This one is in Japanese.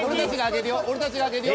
俺たちが上げるよ